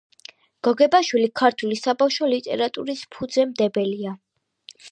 გოგებაშვილი ქართული საბავშვო ლიტერატურის ფუძემდებელია.